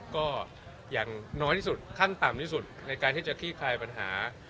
ก็อย่างน้อยที่สุดขั้นต่ำที่สุดในการที่จะคลี่คลายปัญหา